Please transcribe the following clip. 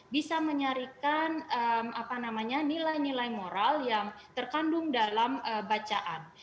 bisa menyarikan nilai nilai moral yang terkandung dalam bacaan